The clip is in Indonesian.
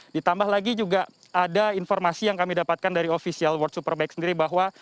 ditambah lagi juga ada informasi yang kami dapatkan dari official world superbike sendiri bahwa